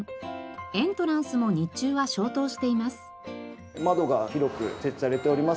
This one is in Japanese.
エントランスも日中は消灯しています。